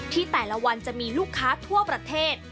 แต่ละวันจะมีลูกค้าทั่วประเทศ